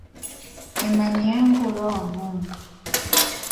Imani yangu roho wa Mungu